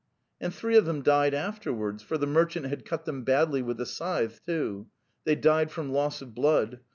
'"And three of them died afterwards, for the merchant had cut them badly with the scythe, too. They died from loss of blood.